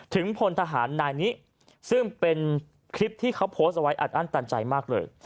พลทหารนายนี้ซึ่งเป็นคลิปที่เขาโพสต์เอาไว้อัดอั้นตันใจมากเลย